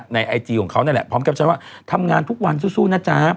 ไอจีของเขานั่นแหละพร้อมแคปชั่นว่าทำงานทุกวันสู้นะจ๊ะ